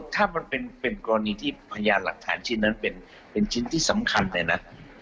ถ้ามันเป็นกรณีที่พยานหลักฐานชิ้นนั้นเป็นชิ้นที่สำคัญเลยนะ